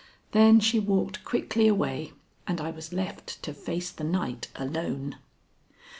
Then she walked quickly away, and I was left to face the night alone.